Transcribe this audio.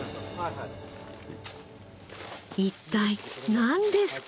一体なんですか？